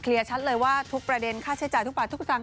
เคลียร์ชัดเลยว่าทุกประเด็นค่าใช้จ่ายทุกปลาทุกสร้าง